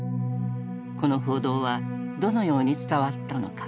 この報道はどのように伝わったのか。